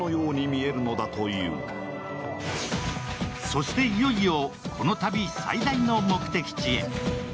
そしていよいよ、この旅最大の目的地へ。